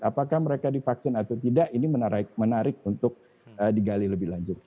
apakah mereka divaksin atau tidak ini menarik untuk digali lebih lanjut